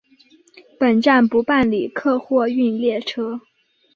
本站不办理客货运列车。